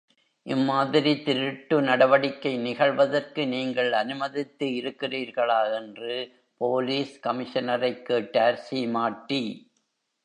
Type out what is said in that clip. இம்மாதிரி திருட்டு நடவடிக்கை நிகழ்வதற்கு நீங்கள் அனுமதித்து இருக்கிறீர்களா? என்று போலிஸ் கமிஷனரைக் கேட்டார் சீமாட்டி.